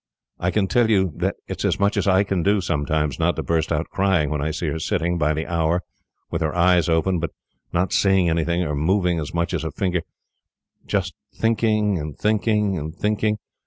I can tell you that it is as much as I can do, sometimes, not to burst out crying when I see her sitting, by the hour, with her eyes open, but not seeing anything, or moving as much as a finger just thinking, and thinking, and thinking.